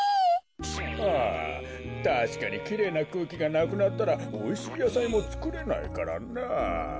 ああたしかにきれいなくうきがなくなったらおいしいやさいもつくれないからなあ。